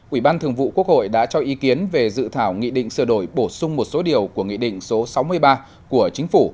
ủy ban thường vụ quốc hội đã cho ý kiến về dự thảo nghị định sửa đổi bổ sung một số điều của nghị định số sáu mươi ba của chính phủ